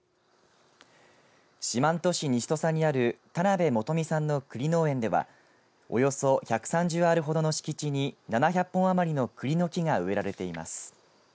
四万十市西土佐にある田辺元美さんの、くり農園ではおよそ１３０アールほどの敷地に７００本余りのくりの木が植えられています。